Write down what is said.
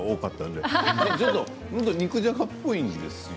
本当肉じゃがっぽいですよね。